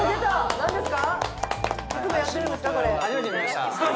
何ですか？